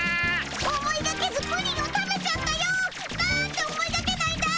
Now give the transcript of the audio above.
思いがけずプリンを食べちゃったよ。なんて思いがけないんだい。